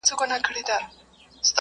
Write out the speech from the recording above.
ایا ته غواړې آنلاین مهارتونه زده کړې؟